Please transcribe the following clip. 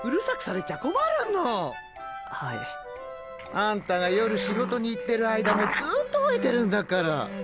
あんたが夜仕事に行ってる間もずっと吠えてるんだから。